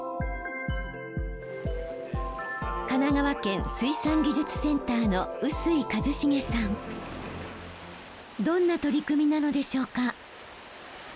神奈川県水産技術センターのどんな取り組みなのでしょうか？